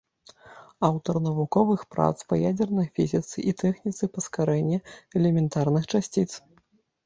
Аўтар навуковых прац па ядзернай фізіцы і тэхніцы паскарэння элементарных часціц.